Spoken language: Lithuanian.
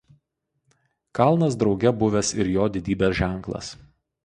Kalnas drauge buvęs ir jo didybės ženklas.